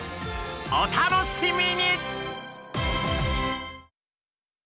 お楽しみに！